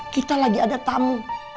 kita lagi ada tamu